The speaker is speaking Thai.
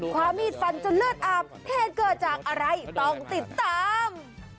ความมีดฟันจนเลือดอาบเหตุเกิดจากอะไรต้องติดตาม